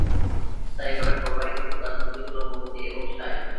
স্থায়ীভাবে প্রবাহিত প্রধান নদী হল গোমতী এবং সাঁই।